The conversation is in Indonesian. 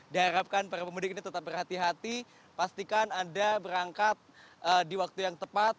diharapkan para pemudik ini tetap berhati hati pastikan anda berangkat di waktu yang tepat